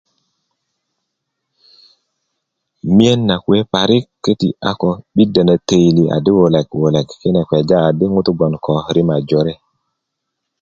miyen na kuwe parik ko 'biddö na töyili di wulekwulek yina kpeja di ŋutu' gboŋ ko rima jore